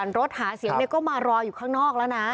รถหาเสียงก็มารออยู่ข้างนอกแล้วนะ